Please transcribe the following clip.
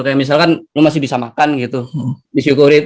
kayak misalkan lo masih bisa makan gitu disyukurin